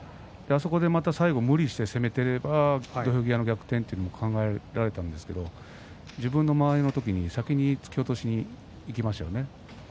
あそこでまた最後無理して攻めていれば土俵際で逆転というのも考えられたんですが自分の場合の時に先に突き落としにいきましたよね。